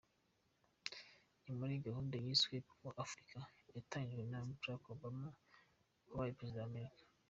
Ni muri gahunda yiswe Power Africa, yatangijwe na Barack Obama wabaye Perezida w'Amerika.